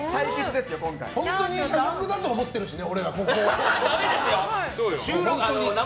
本当に社食だと思ってるしね。